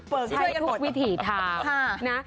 เลือกให้ทุกวิถีมา